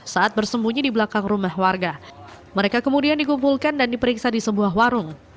saat bersembunyi di belakang rumah warga mereka kemudian dikumpulkan dan diperiksa di sebuah warung